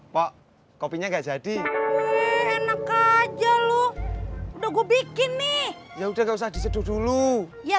pok kopinya enggak jadi enak aja lu nunggu bikin nih ya udah gak usah diseduh dulu ya